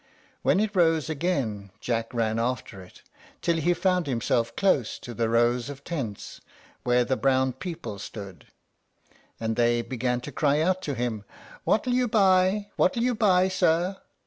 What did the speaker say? When it rose again Jack ran after it, till he found himself close to the rows of tents where the brown people stood; and they began to cry out to him, "What'll you buy? what'll you buy, sir?"